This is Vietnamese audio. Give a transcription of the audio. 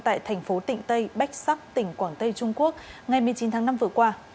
tại thành phố tịnh tây bách sắc tỉnh quảng tây trung quốc ngày một mươi chín tháng năm vừa qua